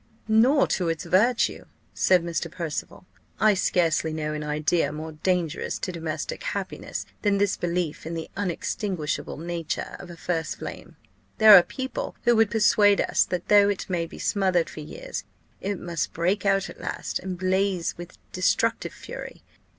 "Nor to its virtue," said Mr. Percival. "I scarcely know an idea more dangerous to domestic happiness than this belief in the unextinguishable nature of a first flame. There are people who would persuade us that, though it may be smothered for years, it must break out at last, and blaze with destructive fury.